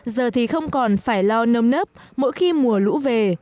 giờ thì không còn phải lo nâm nớp mỗi khi mùa lũ về